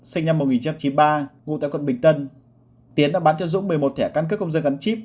sinh năm một nghìn chín trăm chín mươi ba ngụ tại quận bình tân tiến đã bán cho dũng một mươi một thẻ căn cước công dân gắn chip